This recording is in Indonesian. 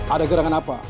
ada gerangan apa